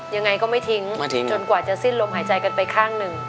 ยังไงก็ไม่ทิ้งจนกว่าจะสิ้นลมหายใจกันไปข้างหนึ่ง